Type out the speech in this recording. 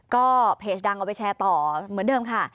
ก็เพจดังเอาไปแชร์ต่อเหมือนเดิมค่ะ